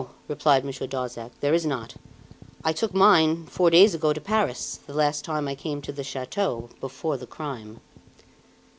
replied Monsieur Darzac. "There is not. I took mine, four days ago, to Paris, the last time I came to the chateau before the crime."